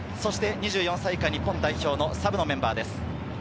２４歳以下、日本代表のサブのメンバーです。